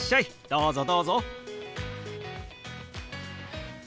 どうぞどうぞ。